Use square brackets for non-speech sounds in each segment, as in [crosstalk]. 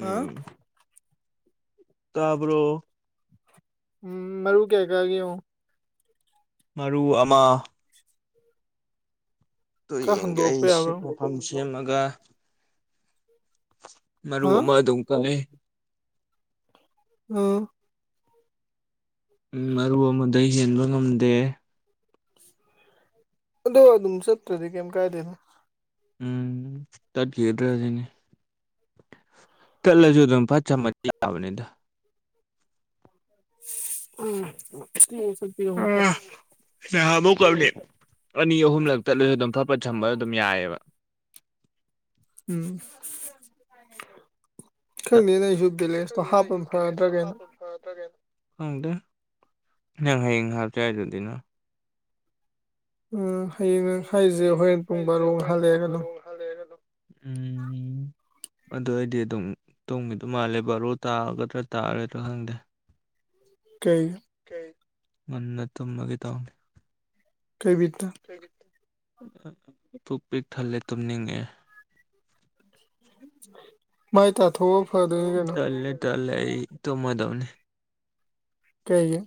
ꯍꯥ ꯇꯥꯕ꯭ꯔꯣ ꯎꯝ ꯃꯔ ꯀꯦꯀꯒꯤꯦꯨ ꯃꯔꯨ ꯑꯃ ꯇ ꯌꯦꯡꯒꯏꯁ ꯃꯐꯝ ꯁꯦꯝꯃꯒ ꯃꯔꯨ ꯑꯃ ꯑꯗꯨꯝ ꯀꯛꯏ ꯎꯝ ꯎ ꯃꯔꯨ ꯑꯃꯗ ꯍꯦꯟꯕ ꯉꯝꯗꯦ ꯑꯗꯨꯣꯋꯥ ꯑꯗꯨ ꯁꯠꯇꯔꯁꯤ ꯀꯦꯝ ꯀꯥꯏꯗꯦ ꯎꯝ ꯇꯠꯈꯤꯗ꯭ꯔꯦꯖꯤꯅꯦ ꯆꯂꯁꯨ ꯑꯗꯨꯝ ꯄ ꯆꯝ ꯂꯅꯤꯗ ꯎꯝ ꯁꯨ ꯇ ꯍ ꯑꯃꯨꯛ ꯑꯅꯤ ꯑꯍꯨꯝꯂꯛꯇꯠꯂꯁꯨ ꯑꯗꯨꯝ ꯐꯠꯄ ꯊꯝꯕ ꯑꯗꯨꯝ ꯌꯥꯏꯑꯕ ꯎꯝ ꯈꯪꯗꯦ ꯅ ꯑꯩꯁꯨ ꯚꯦꯂꯦꯟꯁꯇꯣ ꯍꯥꯞꯄꯅ ꯐꯔꯗ꯭ꯔꯒꯦꯅ ꯈꯪꯗꯦ ꯅꯪ ꯍꯌꯦꯡ ꯍꯥꯞꯆꯦꯗꯨꯗꯤꯅ ꯎꯝ ꯎꯝ ꯑ ꯉ ꯉꯁꯁꯦ ꯍꯣꯔꯦꯟ ꯄꯨꯡ ꯃꯔꯕꯥꯔꯣ ꯍꯜꯂꯛꯑꯦꯒ ꯑꯗꯨꯝ ꯑꯗꯨ ꯑꯩꯗꯤ ꯑꯗꯨꯝ ꯇꯨꯝꯒꯤꯗꯣ ꯃꯥꯜꯂꯦ ꯕꯥꯔꯣ ꯇꯥꯒꯗ꯭ꯔꯥ ꯇꯥꯔꯣꯏꯗ꯭ꯔꯥ ꯈꯪꯗꯦ ꯀꯦ ꯉꯟꯅ ꯇꯨꯝꯃꯒꯦ ꯇꯥꯎ ꯀꯩꯕꯤꯠꯠꯇ ꯄꯨꯛ ꯄꯤꯛ ꯊꯜꯂꯦ ꯇꯨꯝꯅꯤꯡꯉꯦ ꯎꯝ ꯆꯂꯦ ꯆꯂ ꯑꯩ ꯇ ꯃꯖꯧꯅꯦ ꯀꯩꯦ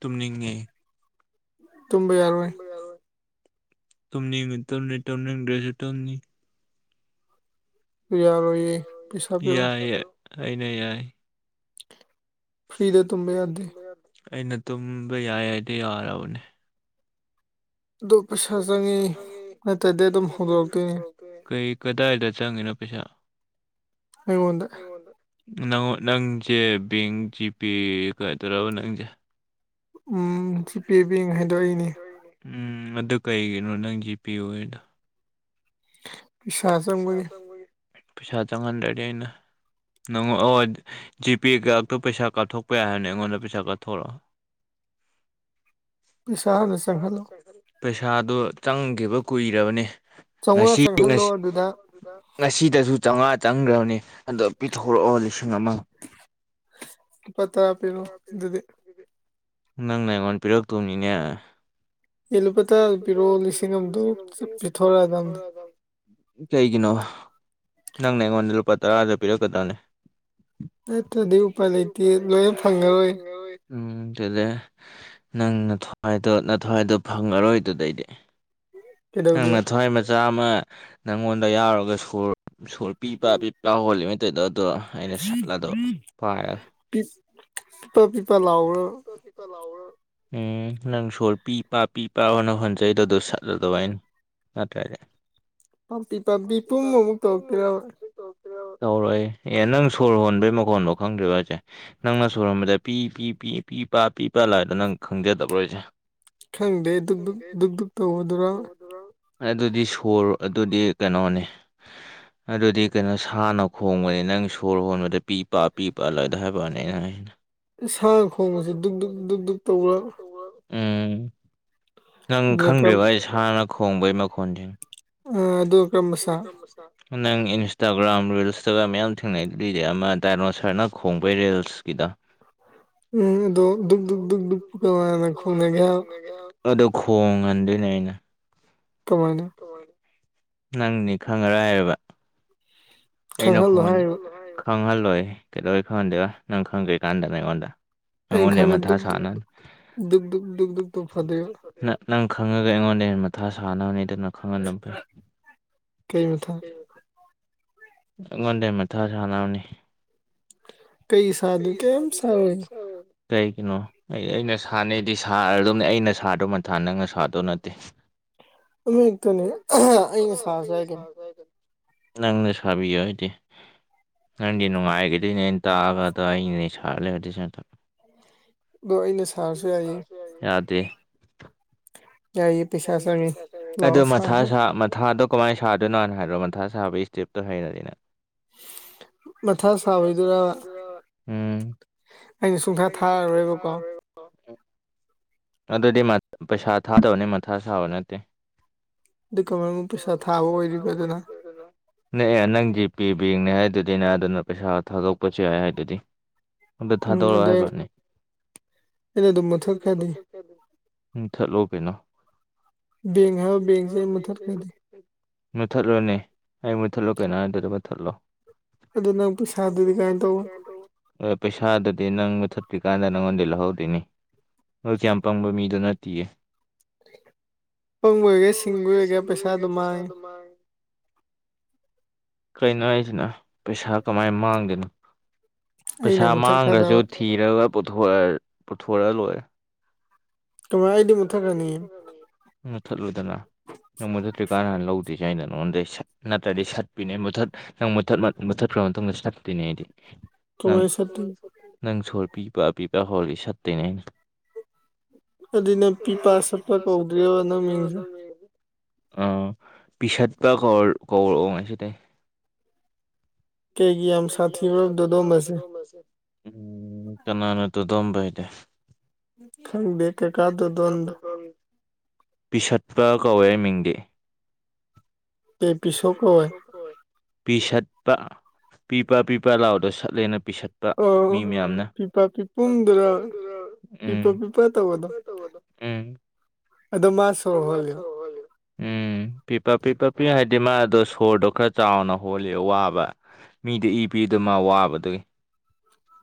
ꯇꯨꯝꯅꯤꯡꯉꯤ ꯇꯨꯝ ꯌꯥꯔꯋꯥ ꯇꯅꯤ ꯃꯇ꯭ꯔ ꯔꯤꯇꯔꯅꯤꯡꯡ ꯭ꯔꯦꯖꯨꯌꯦꯇꯣꯟꯅꯤ ꯌꯥꯏ ꯑꯩꯅ ꯌꯥꯏ ꯐ꯭ꯔꯤꯗꯦ ꯇꯨꯝꯝꯕꯦ ꯑꯗꯦ ꯑꯩꯅ ꯇꯨꯝꯕ ꯌꯥꯏ ꯍꯥꯏꯗꯤ ꯌꯥꯔꯕꯅꯦ ꯑꯗꯨ ꯄꯩꯁꯥ ꯆꯪꯉꯤ ꯅꯇꯩꯗꯤ ꯑꯗꯨꯝ ꯍꯧꯗꯣꯔꯛꯇꯣꯏꯅꯦ ꯀꯗꯥꯏꯗ ꯆꯪꯉꯤꯅꯣ ꯄꯩꯁꯥ ꯑꯩꯣꯟꯗ ꯅꯪ ꯅꯪꯁꯦ ꯕꯦꯡ ꯖꯤꯄꯦ ꯀꯗꯧꯔꯕ ꯅꯪꯁꯦ ꯎꯝ ꯖꯤ ꯄꯦꯕꯤꯦꯡ ꯍꯥꯏꯗꯥꯏꯅꯤ ꯎꯝ ꯑꯗꯨ ꯀꯩꯒꯤꯅꯣ ꯅꯪ ꯖꯤ ꯄꯦ ꯑꯣꯏꯗ ꯁꯥꯁꯪꯕꯨꯒꯤ ꯄꯩ ꯆꯪꯉꯍꯟ ꯗꯔꯇꯩꯅ ꯅꯪꯉ ꯑꯣ ꯖꯤꯄꯦꯒꯥꯛꯇ ꯄꯩꯁꯥ ꯀꯥꯞꯊꯣꯛꯄ ꯌꯥꯔꯅꯤ ꯑꯩꯉꯣꯟꯗ ꯄꯩꯁꯥ ꯀꯥꯞꯊꯣꯔꯛꯑꯣ ꯃꯤꯁꯍꯅ ꯆꯪꯍꯂꯣ ꯄꯩꯁꯥꯗꯣ ꯆꯪꯈꯤꯕ ꯀꯨꯏꯔꯕꯅꯤ ꯆꯪꯉꯣ ꯆꯪꯍꯜꯂꯣ ꯉꯁꯤꯗꯁꯨ ꯆꯥꯝꯃꯉꯥ ꯆꯪꯈ꯭ꯔꯕꯅꯤ ꯑꯗꯣ ꯄꯤꯊꯣꯔꯛꯑꯣ ꯂꯤꯁꯤꯡ ꯑꯃ ꯄꯠꯇꯥ ꯄꯔꯣ ꯑꯗꯨꯗꯨꯗꯤ ꯅꯪꯅ ꯑꯩꯉꯣꯟ ꯄꯤꯔꯛꯇꯣꯅꯤꯅꯦ ꯑꯂꯨ ꯄꯇꯥ ꯄꯤꯔꯛꯑꯣ ꯂꯤꯁꯤꯡ ꯑꯗꯨ ꯄꯤꯊꯣꯔꯛꯑꯗꯝꯅꯤ ꯀꯩꯒꯤꯅꯣ ꯅꯪꯅ ꯑꯩꯉꯣꯟꯗ ꯂꯨꯄꯥ ꯇꯔꯥꯗ ꯄꯤꯔꯛꯀꯗꯅꯦ ꯅꯠꯇ꯭ꯔꯗꯤ ꯎꯄꯥꯏ ꯂꯩꯇꯦ ꯂꯣꯏꯅ ꯐꯪꯉꯔꯣꯏ ꯎꯝ ꯑꯗꯨꯗ ꯅꯪ ꯅꯋꯥꯏ ꯅꯊꯋꯥꯏꯗ ꯐꯪꯉꯔꯣꯏ ꯑꯗꯨꯗꯩꯗꯤ ꯅꯪ ꯅ ꯊꯋꯥꯏ ꯃꯆꯥ ꯑꯃ ꯅꯪꯉꯣꯟꯗ ꯌꯥꯎꯔꯒ ꯁꯣꯔ ꯁꯣꯔ ꯄꯤꯕ ꯍꯣꯜꯂꯤ ꯃꯩꯇꯩꯩꯗ ꯑꯣ ꯑꯩꯅ ꯁꯠꯂꯗꯣ ꯄꯥꯏꯔꯒꯦ ꯄꯤꯄ ꯄꯤꯄꯥ ꯂꯥꯎꯔ ꯎꯝ ꯅꯪ ꯁꯣꯣꯔꯄꯤꯤ ꯏ ꯄꯄꯤ ꯄꯥꯑꯣꯅ ꯍꯣꯟꯖꯩꯗꯨꯗꯣ ꯁꯠꯂꯗꯧꯕ ꯍꯥꯏꯅ ꯅꯠꯇ꯭ꯔꯒ ꯄꯞꯄꯤ ꯄꯥꯝꯗꯤ ꯇꯨꯝꯕ ꯑꯃꯨꯛ ꯇꯧꯔꯛꯇꯔ ꯇꯧꯔꯣꯏ ꯑꯦ ꯅꯪ ꯁꯣꯔ ꯍꯣꯟꯕꯩ ꯃꯈꯣꯟꯗꯣ ꯈꯪꯗ꯭ꯔꯤꯕꯁꯦ ꯅꯪꯅ ꯁꯣꯔ ꯍꯣꯟꯕꯗ ꯄꯤ ꯄꯤ ꯄꯤ ꯄꯤ ꯄ ꯄꯤ ꯄ ꯂꯥꯏꯗ ꯅꯪ ꯈꯪꯖꯗꯕ꯭ꯔꯣꯁꯦ ꯈꯪꯗꯦ ꯙꯛ ꯙꯛ ꯙꯛ ꯙꯛ ꯇꯧꯒꯗꯨꯔꯥ ꯑꯗꯨꯗꯤ ꯁꯣꯔ ꯑꯗꯨꯗꯤ ꯀꯩꯅꯣꯅꯤ ꯑꯗꯨꯗꯤ ꯀꯩꯅꯣ ꯁꯥꯅ ꯈꯣꯡꯕꯅꯤ ꯅꯪ ꯁꯣꯔ ꯍꯣꯟꯕꯗ ꯄꯤ ꯄꯥ ꯄꯤ ꯄꯥꯜꯂꯗ ꯍꯥꯏꯕꯅꯤ ꯅꯪ ꯑꯩꯅ ꯁꯥꯅ ꯈꯣꯡꯕꯁꯤꯦ ꯗꯨꯛ ꯗꯨꯛ ꯗꯨꯛ ꯗꯨꯛ ꯇꯧꯕ꯭ꯔꯥ ꯅꯪ ꯈꯪꯗ꯭ꯦꯔꯤꯕ ꯑꯩ ꯁꯥꯅ ꯈꯣꯡꯕꯩ ꯃꯈꯣꯟꯁꯤꯡ ꯑ ꯑꯗꯨ ꯀꯃꯁ ꯅꯪ ꯏꯟꯁꯇꯥꯒ꯭ꯔꯥꯝ ꯔꯤꯜꯁꯇꯒ ꯃꯌꯥꯝ ꯊꯦꯡꯅꯔꯤꯗꯤ ꯑꯃ ꯗꯥꯏꯅꯣꯁꯔꯅ ꯈꯣꯡꯕꯩ ꯔꯤꯜꯁꯀꯤꯗ ꯎꯝꯗꯣ ꯗꯨꯛ ꯗꯨ ꯀ ꯈꯨꯅꯦꯒꯌꯥ ꯑꯗꯨꯗ ꯈꯣꯡꯍꯟꯗꯣꯏꯅꯦ ꯑꯩꯅ ꯀꯃꯥꯏꯅ ꯅꯪꯅꯤ ꯈꯪꯉꯔ ꯍꯥꯏꯔꯕ ꯈꯜ ꯈꯜ ꯅꯍꯥꯏꯔ ꯈꯪꯍꯜꯂꯣꯏ ꯀꯩꯗꯧꯩ ꯈꯪꯍꯟꯗꯦꯕ ꯅꯪ ꯈꯪꯗꯦ ꯀꯥꯟꯗꯅ ꯑꯩꯉꯣꯟꯗ ꯅꯪꯉꯣꯟꯅꯦ ꯃꯊꯥ ꯁꯅ ꯗꯨꯛ ꯗꯨꯛ ꯗꯨ ꯗꯨꯛ ꯗꯨ ꯐꯠꯇꯦ ꯑꯣꯏ ꯅ ꯅꯪ ꯈꯪꯉꯒ ꯑꯩꯉꯣꯟꯗ ꯃꯊꯥ ꯁꯥꯅꯕꯅꯦꯗ ꯅꯪ ꯈꯪꯍꯟꯅ ꯐꯩ ꯀꯩ ꯃꯊꯥ ꯒꯣꯟꯗꯦ ꯃꯊꯥ ꯁꯥꯅ ꯎꯅꯤ ꯀꯩ ꯁꯥꯗꯨ ꯀꯦꯝ ꯁꯔꯣꯏ ꯀꯩꯒꯤꯅꯣ ꯑꯩ ꯑꯩꯅ ꯁꯥꯅꯩꯗꯤ ꯁꯥꯔ ꯑꯗꯨꯅꯦ ꯑꯩꯅ ꯁꯥꯗꯣ ꯃꯊꯥ ꯅꯪꯅ ꯁꯥꯗꯣ ꯅꯠꯇꯦ ꯑꯃꯛꯇ ꯅ ꯑꯩꯅ ꯁꯥꯁ ꯍꯥꯏꯒꯦꯅꯦ ꯅꯪꯅ ꯁꯥꯕꯤꯌꯣ ꯑꯩꯗꯤ ꯅꯪꯗꯤ ꯅꯨꯡꯉꯥꯏꯈꯤꯗꯣꯏꯅꯦ ꯑꯩꯅ ꯇꯥꯛꯑꯒꯗ ꯑꯩꯩꯅꯅꯦ ꯁꯥꯔ ꯂꯩꯔ ꯑꯗꯨ ꯁ ꯌꯥꯗꯦ ꯑ ꯃꯊ ꯃꯊꯥꯗꯣ ꯀꯃꯥꯏꯅ ꯁꯥꯗꯣꯏꯅꯣꯅꯣ ꯍꯥꯏꯗ꯭ꯔꯣ ꯃꯟꯊꯥ ꯁꯥꯕꯒꯤ ꯏꯁꯇꯦꯞꯇꯣ ꯍꯩꯅꯅꯤꯅ [inaudible] ꯝ ꯑꯩꯅ ꯁꯨꯡꯊꯥ ꯊꯥꯔꯣꯏꯕꯀꯣ ꯑꯗꯨꯗꯤ ꯄꯩꯁꯥ ꯊꯥꯗꯕꯅꯤ ꯃꯊꯥ ꯁꯥꯕ ꯅꯠꯇꯦ ꯊꯕ ꯑ ꯅꯪꯖꯤ ꯄꯤ ꯕꯦꯡꯅꯦ ꯍꯥꯏꯗꯨꯗꯤꯅꯦ ꯑꯗꯨꯅ ꯄꯩꯁꯥ ꯊꯥꯗꯣꯛꯄꯁꯨ ꯌꯥꯏ ꯍꯥꯏꯗꯨꯗꯤ ꯑꯗꯨꯗ ꯊꯥꯗꯣꯔꯛꯑꯣ ꯍꯥꯏꯕꯅꯤ ꯝ ꯊꯠꯂꯣ ꯀꯩꯅꯣ ꯕꯦꯡꯒ ꯍꯥ ꯦꯡꯁꯦ ꯃꯊꯗꯤ ꯃꯨꯠꯊꯠꯂꯣꯅꯦ ꯑꯩ ꯃꯨꯠꯊꯠꯂꯣ ꯀꯩꯅꯣ ꯍꯥꯏꯗꯨꯗ ꯃꯨꯠꯊꯠꯂꯣ ꯄꯩꯁꯥꯗꯨꯗꯤ ꯅꯪ ꯍꯧꯔꯤꯀꯥꯟꯗ ꯅꯪꯉꯣꯟꯗ ꯂꯧꯍꯧꯗꯣꯏꯅꯤ ꯅꯁꯨ ꯌꯥꯝ ꯄꯪꯕ ꯃꯤꯗꯨ ꯅꯠꯇꯤꯌꯦ ꯄꯪꯕ ꯑꯣꯏꯒ ꯁꯤꯡꯕ ꯑꯣꯏꯒꯦ ꯄꯩꯁꯥ ꯑꯗꯨꯃꯥꯏ ꯀꯩꯅꯣ ꯍꯥꯏꯁꯤꯅ ꯄꯩꯁꯥ ꯀꯃꯥꯏꯅ ꯃꯥꯡꯗꯣꯏꯅꯣ ꯄꯩꯁꯥ ꯃꯥꯡꯈ꯭ꯔꯁꯨ ꯊꯤꯔꯒ ꯄꯨꯊꯣꯔ ꯂꯣꯏ ꯀꯥꯏ ꯅ ꯊꯠꯂꯨꯗꯅ ꯅꯪꯃꯣꯟꯗꯠꯇ꯭ꯔꯤꯀꯥꯟ ꯍꯥꯟꯅ ꯂꯧꯗ ꯗꯤꯖꯥꯏꯟ ꯅꯣꯣꯟꯗꯗꯤ ꯁ ꯅꯅꯥꯠꯇ꯭ꯔꯗꯤ ꯁꯔꯠꯕꯤꯄꯤꯅꯦ ꯨꯊꯔ ꯅꯊꯔ ꯃ ꯃꯇꯊꯔ ꯐꯥꯎ ꯊꯪ ꯁꯠꯗꯤ ꯅꯪ ꯅꯪ ꯁꯣ ꯄꯤꯄꯥ ꯄꯕꯤꯄꯥ ꯍꯣꯂꯤ ꯁꯥꯇ ꯅ ꯑꯗꯨ ꯅꯪ ꯄꯤ ꯄ ꯁꯠꯄ ꯀꯧꯗ꯭ꯔꯤꯕ ꯅꯪ ꯃꯤꯡꯁꯦ ꯑ ꯄꯤꯁꯠꯄ ꯀꯧ ꯀꯧꯔꯛꯑꯣ ꯉꯥꯏꯁꯨ ꯇ ꯀꯩꯒꯤ ꯌꯥꯝ ꯁꯥꯊꯤ ꯔꯔꯕꯗꯗꯣ ꯃꯁꯦ ꯎꯝ ꯀꯅꯥꯅꯠꯇꯣ ꯗꯝꯝꯕꯥꯏꯗ ꯈꯪꯗꯦ ꯄꯤꯁꯠꯄ ꯀꯧꯋꯦ ꯃꯤꯡꯗꯤ ꯄꯠꯄ ꯄꯤꯄꯥ ꯄꯤꯄ ꯂꯥꯎꯗꯣ ꯁꯠꯂꯦꯅ ꯄꯤꯁꯠꯄ ꯃꯤ ꯃꯌꯥꯝꯅ ꯎ ꯎꯝ ꯑꯗꯣ ꯃꯥ ꯁꯣ ꯍꯣ ꯎꯝ ꯄꯤ ꯄꯞ ꯄꯤꯄꯞ ꯄꯤ ꯍꯥꯏꯗꯤ ꯃꯥꯗꯣ ꯁꯣꯔꯗꯣ ꯈꯔ ꯆꯥꯎꯅ ꯍꯣꯜꯂꯤ ꯋꯥꯕ ꯃꯤꯗꯨ ꯏ ꯄꯤꯗ ꯃꯥ ꯋꯥꯕꯗꯨꯒꯤ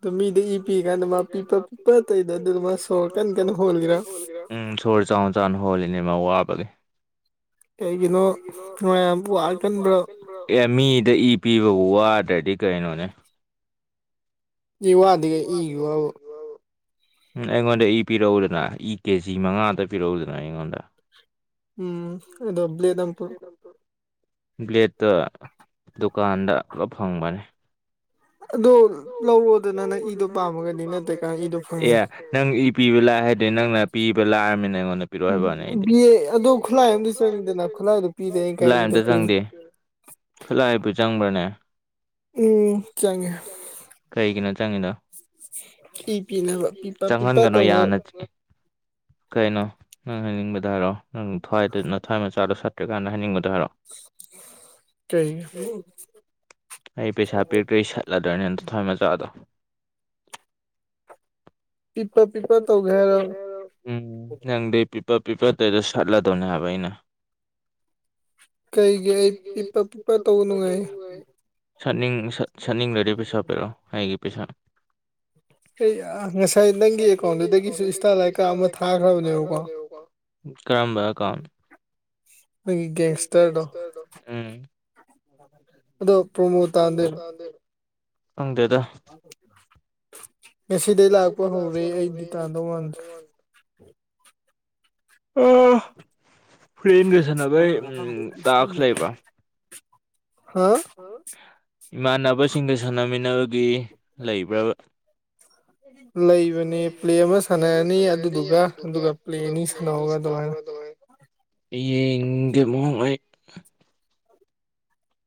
ꯑ ꯃꯤꯗ ꯏ ꯄꯤ ꯀꯥꯟꯗ ꯃꯥ ꯄꯤꯛꯄ ꯄꯤꯛꯄ ꯑꯇꯩꯗ ꯑꯗꯨꯗ ꯃꯥ ꯁꯣꯔ ꯀꯟꯅ ꯀꯟꯅ ꯍꯣꯒꯦꯔꯥ ꯎ ꯁꯣꯔ ꯆꯥꯎꯅ ꯆ ꯆꯥꯎꯅ ꯍꯣꯜꯂꯤꯅꯦꯃ ꯋꯥꯕꯒꯤ ꯀꯒꯤꯅꯣ ꯑ ꯏꯗ ꯏ ꯄꯤꯕ ꯋꯥꯠ ꯔꯦꯗꯤ ꯀꯌꯥ ꯏꯣꯅꯦ ꯏ ꯋꯥꯗꯒ ꯏꯒ ꯎꯝ ꯑꯩꯉꯣꯟꯗ ꯏ ꯄꯤꯔꯛꯎꯗꯅ ꯏ ꯀꯦ ꯖꯤ ꯃꯉꯥꯗ ꯄꯤꯔꯛꯎꯗꯅ ꯑꯩꯉꯣꯟꯗ ꯎꯝ ꯑꯗꯨꯗꯣꯕꯂꯤꯗꯝꯄꯨꯔ ꯕ꯭ꯂꯦꯠꯇ ꯗꯨꯀꯥꯟꯗ ꯂ ꯐꯪꯕꯅꯦ ꯑꯗꯨꯗꯣ ꯂꯧꯔꯕꯗ ꯅꯅꯦ ꯑꯦ ꯅꯪ ꯏ ꯄꯤꯕ ꯂꯥꯛꯑ ꯍꯥꯏꯗꯗꯤ ꯅꯪꯅ ꯄꯤꯕ ꯂꯥꯛꯑꯝꯃꯤꯅ ꯑꯩꯉꯣꯟꯗ ꯑꯗꯨ ꯈꯨꯠꯂꯥꯏ ꯑꯃꯗꯤ ꯆꯪꯉꯤꯗꯅ ꯈꯨꯠꯂꯥꯏꯗꯨꯣ ꯄꯤꯗꯅꯤ ꯀꯥꯏ ꯏꯗꯣ ꯄꯤꯅꯤ ꯈꯨꯠꯂꯥꯏ ꯍꯥꯏꯕꯨ ꯆꯪꯕ꯭ꯔꯅꯦ ꯎꯝ ꯆꯪꯉꯦ ꯆꯪꯍꯟꯒꯅꯨ ꯌꯥꯅ ꯀꯩꯅꯣ ꯅꯪ ꯍꯥꯏꯅꯤꯡꯕꯗ ꯍꯥꯏꯔꯣ ꯅꯪꯋꯥꯏꯗ ꯅꯊ꯭ꯋꯥꯏ ꯃꯆꯥꯗꯣ ꯁꯠꯇ꯭ꯔꯀꯥꯟꯗ ꯍꯥꯏꯅꯤꯡꯕꯗ ꯗꯔꯣ ꯑꯩ ꯄꯩꯁꯥ ꯄꯤꯔꯛꯇꯣꯏꯔꯤ ꯁꯠꯂꯗ꯭ꯔꯅꯦ ꯊ ꯃꯖꯥꯗ ꯄꯤꯄ ꯄꯤꯄ ꯇꯧꯒꯦꯔ ꯄꯤꯄ ꯄꯤꯛꯄ ꯇꯩꯗ ꯁꯠꯂꯗꯧꯅꯦ ꯍꯥꯏꯕ ꯑꯩꯅ ꯀꯩꯒꯤ ꯑꯩ ꯄꯤꯛꯄ ꯄꯤꯛꯄ ꯇꯧ ꯅꯨꯡꯉꯥꯏ ꯠꯅꯤꯡ ꯁꯥꯠꯅꯤꯡꯗꯗꯤ ꯄꯩꯁꯥ ꯄꯤꯔꯛꯑꯣ ꯑꯩꯒꯤ ꯄꯩꯁꯥ ꯀꯩ ꯉ ꯉ ꯅꯪꯒꯤ ꯑꯦꯀꯥꯎꯟꯗꯨꯗꯒꯤꯁꯨ ꯏꯁꯟꯇꯥ ꯂꯥꯏꯀꯥ ꯑꯃ ꯊꯥꯈ꯭ꯔꯕꯅꯦꯕꯀꯣ [unintelligible] ꯑꯩꯦꯡꯁꯇꯔꯗ ꯄꯃꯨ ꯇꯥꯗ ꯀ ꯉꯁꯤꯗꯒꯤꯩ ꯂꯥꯛꯄ ꯍꯧꯔꯦ ꯑꯩꯗꯤ ꯇꯥꯟꯗꯧ ꯃꯥꯟꯗ꯭ꯔꯦ ꯎ ꯐ꯭ꯂꯦꯟꯒ ꯁꯥꯟꯅꯕꯩ ꯎꯝ ꯇꯥꯛꯈ ꯂꯩꯕ꯭ꯔ ꯏꯃꯥꯟꯅꯕꯁꯤꯡꯒ ꯁꯥꯟꯅꯃꯤꯟꯅꯕꯒꯤ ꯂꯩꯕ꯭ꯔꯕ [unintelligible] ꯂꯩꯕꯅꯦ ꯄ꯭ꯂꯦ ꯑꯃ ꯁꯥꯟꯅꯔꯅꯤ ꯑꯗꯨꯗꯨꯒ ꯑꯗꯨꯒ ꯄ꯭ꯂꯦ ꯑꯅꯤ ꯁꯥꯟꯅꯧꯔꯒ ꯑꯗꯨꯃꯥꯏꯅ ꯌꯦ ꯏꯪ ꯃꯉꯥꯏ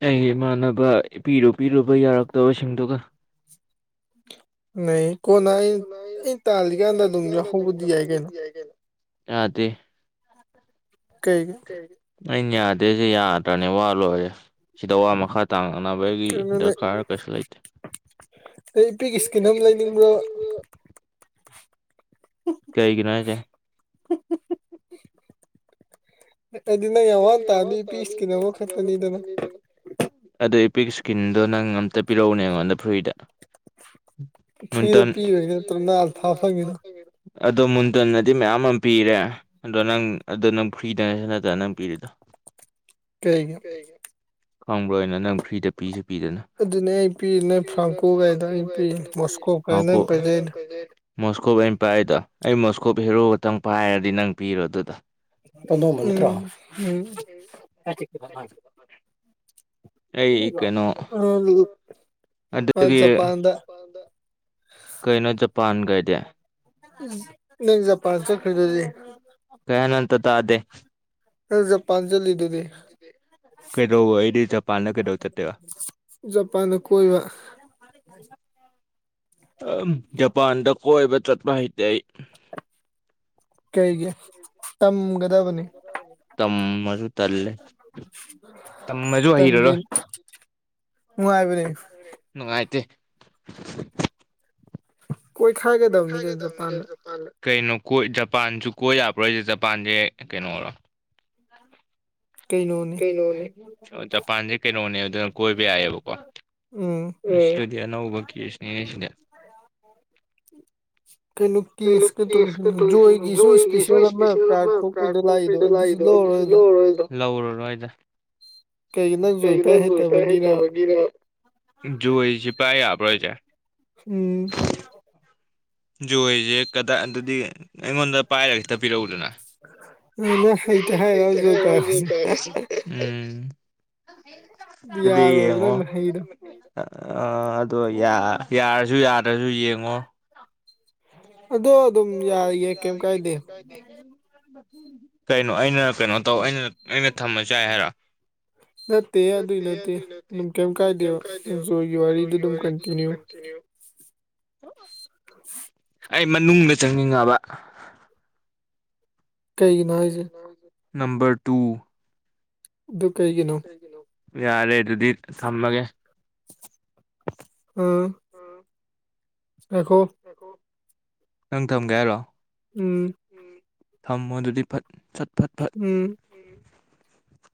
ꯑꯩꯒꯤ ꯏꯃꯥꯟꯅꯕ ꯏ ꯄꯄꯤꯔꯨ ꯄꯤꯔꯨꯕ ꯌꯥꯔꯛꯇꯕꯁꯤꯡꯗꯨꯒ ꯅ ꯀꯣꯟꯅ ꯑ ꯑꯩꯅ ꯇꯥꯜꯂꯤꯀꯥꯟꯗ ꯑꯗꯨꯝ ꯌꯥꯎꯍꯧꯕꯗꯤ ꯌꯥꯏ ꯀꯩꯅꯣ ꯑꯗꯦ ꯀꯩꯒꯤꯩ ꯑꯩꯅ ꯌꯥꯗꯦꯁ ꯌꯥꯗ꯭ꯔꯅꯤ ꯋꯥ ꯂꯣꯏꯔꯦ ꯁꯤꯗ ꯋꯥ ꯃꯈꯥ ꯇꯥꯡ ꯑꯅꯕꯒꯤ ꯗꯔꯀꯥꯔ ꯀꯩꯁꯨ ꯂꯩꯇꯦ ꯑꯩ ꯏꯄꯤꯒꯤ ꯏꯁꯀꯤꯟ ꯑꯃ ꯂꯩꯅꯤꯡꯕ꯭ꯔꯣ ꯀꯩꯒ꯭ꯔꯥꯗꯦ ꯇꯤ ꯄꯤꯛꯀꯤ ꯑꯗꯣ ꯅꯪ ꯑꯝꯇ ꯄꯤꯔꯛꯎꯅꯦ ꯑꯩꯉꯣꯟꯗ ꯐꯨꯔꯤꯗ ꯇ ꯑꯗꯣ ꯃꯨꯟꯇꯟꯅꯗꯤ ꯃꯌꯥꯝ ꯑꯃ ꯄꯤꯔꯦ ꯑꯗꯣ ꯅꯪ ꯑꯗꯨꯗꯣ ꯅꯪ ꯐ꯭ꯔꯤꯗꯅꯁꯨ ꯅꯠꯇꯅ ꯅꯪ ꯄꯔꯤꯗ ꯈꯪꯕ꯭ꯔꯅ ꯅꯪ ꯐ꯭ꯔꯤꯗ ꯄꯤꯁꯨ ꯄꯤꯗꯅ ꯄꯅ ꯐꯒ ꯃꯣꯁꯀꯣꯞ ꯑ ꯄꯥꯏꯗꯣ ꯑꯩ ꯃꯣꯁꯀꯣꯞ ꯍꯦꯔꯣ ꯈꯛꯇꯪ ꯄꯥꯏꯔꯗꯤ ꯅꯪ ꯄꯤꯔꯣ ꯑꯗꯨꯗ ꯄꯣ ꯃꯅꯤꯠꯇ꯭ꯔꯣ ꯑ ꯑꯖꯄꯥꯟꯗ ꯀꯩꯅꯣ ꯖꯄꯥꯟ ꯀꯥꯏꯗꯦ ꯎꯝ ꯀꯌꯥ ꯅ ꯊ ꯇꯗꯦ ꯑꯖ ꯄꯥꯟꯁꯨꯜꯂꯤꯗꯨꯗꯤ ꯀꯩꯗꯣ ꯑꯩꯗꯤꯖꯄꯥꯟꯅ ꯀꯩꯗꯣ ꯆꯠꯠꯇ [inaudible] ꯖꯄꯥꯟꯗ ꯀꯣꯏꯕ ꯆꯠꯄ ꯍꯩꯇ ꯀꯩꯒꯤ ꯇꯝꯒꯗꯕꯅꯤ ꯇꯟꯗꯤ ꯍꯨ ꯍꯥꯏꯕꯅꯤ ꯅꯨꯡꯉꯥꯏꯇꯦ ꯀꯣꯏꯈꯥꯏꯒꯗꯕꯅꯤ ꯀꯩꯅꯣ ꯖꯄꯥꯟꯗ ꯀꯩꯅꯣ ꯀꯣꯏ ꯖꯄꯥꯟꯁꯨ ꯀꯣꯏ ꯌꯥꯕ꯭ꯔꯣꯁꯦ ꯖꯄꯥꯟꯁꯦ ꯀꯩꯅꯣꯔꯣ ꯀꯩꯅꯣꯅꯦ ꯖꯄꯥꯟꯁꯦ ꯀꯩꯅꯣꯅꯦꯅ ꯀꯣꯏꯕ ꯌꯥꯏꯌꯦꯕꯀꯣ ꯁꯤꯗꯌꯥ ꯅꯕꯁ ꯁꯤꯗ ꯎꯝ ꯀꯩꯅꯣꯖꯣꯏꯒꯤꯁꯨ ꯏꯁꯄꯤꯁꯦꯜ ꯑꯃ ꯀꯥ ꯈꯣꯄꯩꯗ ꯂꯥꯛꯏꯗꯣ ꯂꯧꯔꯔꯣꯏ ꯑꯩꯗ ꯀꯣꯁ ꯍꯥꯏ ꯁꯤ ꯄꯥꯏ ꯄꯣꯏꯣꯖ ꯖꯣꯏꯁꯦ ꯀꯗꯥꯏ ꯑꯗꯨꯗꯤ ꯑꯩꯉꯣꯟꯗ ꯄꯥꯏꯔꯒ ꯈꯤꯛꯇ ꯄꯤꯔꯛꯎꯗꯅ ꯑ ꯐꯇ ꯍꯥꯏ ꯀ ꯑꯗꯨꯗꯤ ꯌꯦꯉꯣ ꯑ ꯑꯗꯣ ꯌꯥꯔꯁꯨ ꯌꯥꯗ꯭ꯔꯁꯨ ꯌꯦꯡꯉꯣ ꯑꯗꯣ ꯑꯗꯨ ꯌꯦ ꯀ ꯀꯥꯏ ꯀ ꯀꯩꯅꯣ ꯑꯩꯅ ꯀꯩꯅꯣ ꯇꯧ ꯑꯩꯅ ꯑꯩꯅ ꯊꯝꯃ ꯆꯥꯏ ꯍꯥꯏꯔ ꯅꯠꯇꯦ ꯌꯥꯗꯣꯏ ꯅꯠꯇꯦ ꯑꯗꯨꯝ ꯀꯩꯝ ꯀꯥꯏꯗꯦꯣꯣꯏꯒꯤ ꯋꯥꯔꯤꯗꯨ ꯑꯗꯨꯝ ꯀꯟꯇꯤꯅꯌꯨ ꯑꯩ ꯃꯅꯨꯡꯗ ꯆꯪꯅꯤꯡꯉꯕ ꯀꯩꯒꯤꯅꯏꯁꯦ ꯅꯝꯕꯔ ꯇꯨ ꯑꯗꯨ ꯀꯩꯒꯤꯅꯣ ꯌꯥꯔꯦ ꯑꯗꯨꯗꯤ ꯊꯝꯃꯒꯦ ꯑꯦꯈꯣ ꯅꯪ ꯊꯝꯒꯦ ꯍꯥꯏꯔꯣ ꯎꯝ ꯊꯝꯃꯣ ꯑꯗꯨꯗꯤꯠ ꯎꯝ